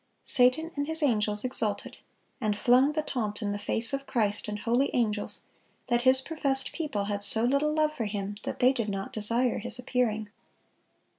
Satan and his angels exulted, and flung the taunt in the face of Christ and holy angels, that His professed people had so little love for Him that they did not desire His appearing.